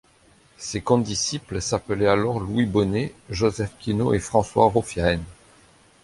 Ses condisciples s’appelaient alors Louis Bonet, Joseph Quinaux et François Roffiaen.